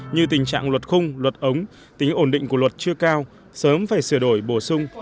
như tình trạng luật khung luật ống tính ổn định của luật chưa cao sớm phải sửa đổi bổ sung